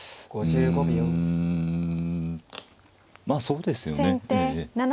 まあそうですよね。